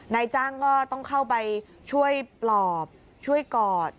นายจ้างก็ต้องเข้าไปช่วยปลอบช่วยกอด